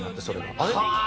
あれ？